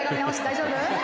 大丈夫？」